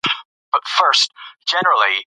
بیا هیواد ته راشئ او خدمت وکړئ.